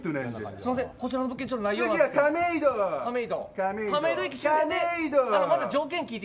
すみませんこちらの物件ちょっとなくて。